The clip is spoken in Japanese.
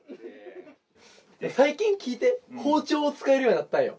最近聞いて包丁を使えるようになったんよ・